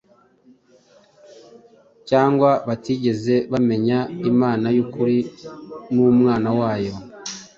cyangwa batigeze bamenya Imana y’ukuri n’Umwana wayo.